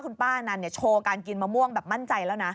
คุณป้านันโชว์การกินมะม่วงแบบมั่นใจแล้วนะ